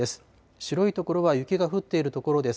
白い所は雪が降っている所です。